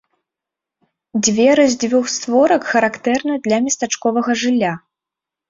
Дзверы з дзвюх створак характэрны для местачковага жылля.